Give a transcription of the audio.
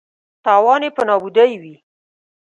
تاوان یې په نابودۍ وي.